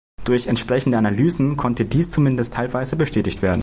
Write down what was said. Durch entsprechende Analysen konnte dies zumindest teilweise bestätigt werden.